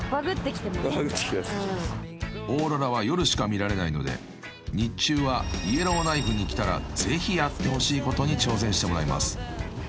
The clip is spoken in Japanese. ［オーロラは夜しか見られないので日中はイエローナイフに来たらぜひやってほしいことに挑戦してもらいます］